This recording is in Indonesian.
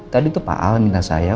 tadi itu pak al minta saya